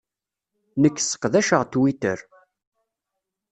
Nekk sseqdaceɣ Twitter.